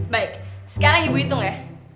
baik sekarang ibu hitung ya